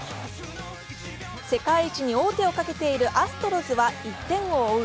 世界一に王手をかけているアストロズは１点を追う